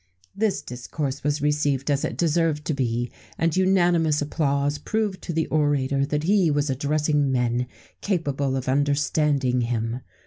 This discourse was received as it deserved to be, and unanimous applause proved to the orator that he was addressing men capable of understanding him.